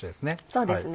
そうですね。